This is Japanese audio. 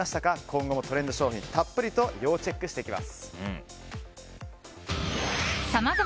今後もトレンド商品たっぷりと要チェックしていきます。